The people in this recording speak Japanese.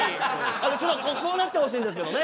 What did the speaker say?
あのちょっとこうなってほしいんですけどね。